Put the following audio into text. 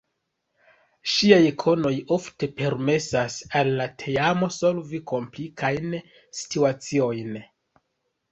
Ŝiaj konoj ofte permesas al la teamo solvi komplikajn situaciojn.